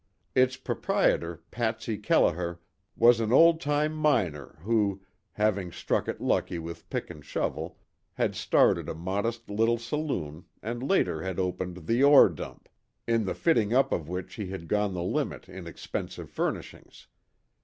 Its proprietor, Patsy Kelliher, was an old time miner who, having struck it lucky with pick and shovel, had started a modest little saloon, and later had opened "The Ore Dump," in the fitting up of which he had gone the limit in expensive furnishings.